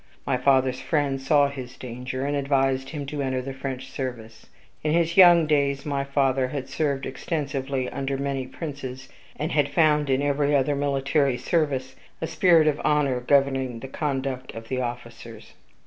My father's friend saw his danger, and advised him to enter the French service. In his younger days, my father had served extensively under many princes, and had found in every other military service a spirit of honor governing the conduct of the officers.